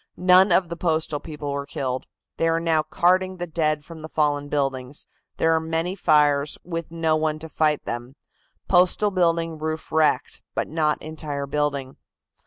None of the Postal people were killed. They are now carting the dead from the fallen buildings. There are many fires, with no one to fight them. Postal building roof wrecked, but not entire building."